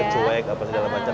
cuek apa segala macam